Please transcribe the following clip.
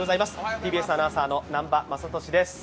ＴＢＳアナウンサーの南波雅俊です。